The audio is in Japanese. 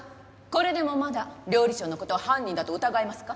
これでもまだ料理長の事を犯人だと疑いますか？